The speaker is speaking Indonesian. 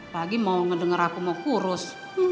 lagipun mau ngedenger aku mau kurus